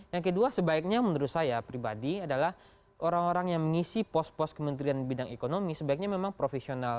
yang kedua sebaiknya menurut saya pribadi adalah orang orang yang mengisi pos pos kementerian bidang ekonomi sebaiknya memang profesional